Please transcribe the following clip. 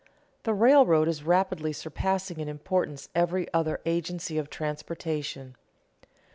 _The railroad is rapidly surpassing in importance every other agency of transportation.